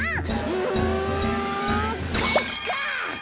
うんかいか！